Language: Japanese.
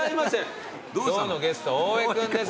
今日のゲスト大江君です。